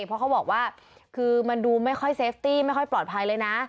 เพราะเขาบอกว่าคือมันดูไม่ค่อยเซฟตี้ไม่ค่อยปลอดภัยเลยนะ